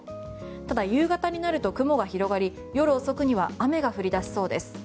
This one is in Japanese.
ただ、夕方になると雲が広がり夜遅くには雨が降り出しそうです。